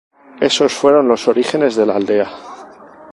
Esos fueron los orígenes de la aldea.